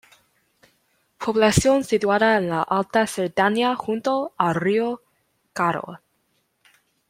Población situada en la Alta Cerdaña junto al río Carol.